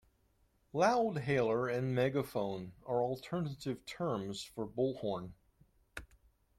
Loudhailer and megaphone are alternative terms for bullhorn